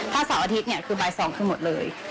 ถ้าสักอาทิตย์คือบ่าย๒คือหมดเลย